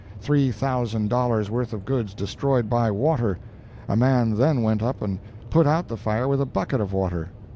Three thousand dollars worth of goods destroyed by water—a man then went up and put out the fire with a bucket of water.